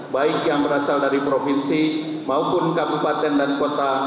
baik yang berasal dari provinsi maupun kabupaten dan kota